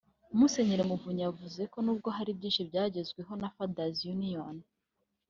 Musenyeri Muvunyi yavuze ko nubwo hari byinshi byagezweho na Father’s Union